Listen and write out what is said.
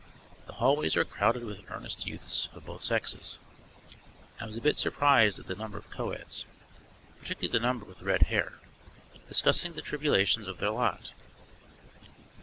The hallways were crowded with earnest youths of both sexes I was a bit surprised at the number of co eds, particularly the number with red hair discussing the tribulations of their lot.